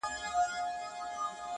چي وهل یې ولي وخوړل بېځایه!!